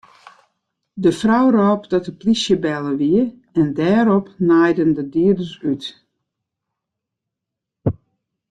De frou rôp dat de plysje belle wie en dêrop naaiden de dieders út.